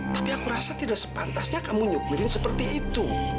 tapi aku rasa tidak sepantasnya kamu nyupirin seperti itu